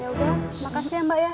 yaudah makasih ya mbak ya